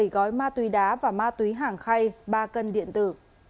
bảy gói ma túy đá và ma túy hàng khay ba cân điện tử